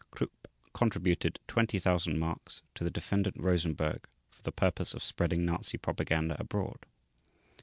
Krupp contributed 20,000 marks to the Defendant Rosenberg for the purpose of spreading Nazi propaganda abroad.